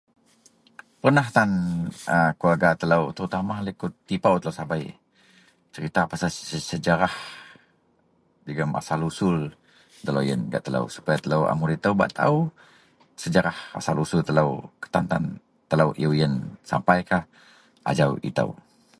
Pernah tan a keluarga telo terutama tipoi telo sabei serita pasel se..se sejarah jegem pasal asel usul deloyen gak telo supaya telo a mudei ito bak taau sejarah asel usul telo kutan tan telo iyew iyen sapaikah ajau ito.